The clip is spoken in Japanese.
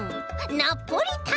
ナポリタン！